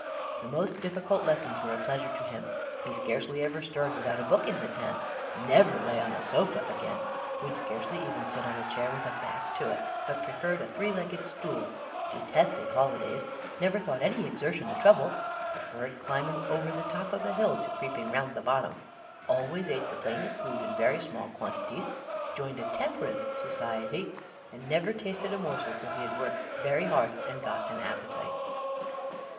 The most difficult lessons were a pleasure to him, he scarcely ever stirred without a book in his hand, never lay on a sofa again, would scarcely even sit on a chair with a back to it, but preferred a three legged stool, detested holidays, never thought any exertion a trouble, preferred climbing over the top of a hill to creeping round the bottom, always ate the plainest food in very small quantities, joined a temperance society, and never tasted a morsel till he had worked very hard and got an appetite.